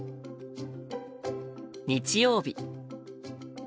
日曜日。